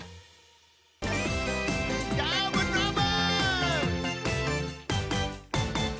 どーもどーも！